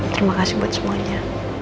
terima kasih buat semuanya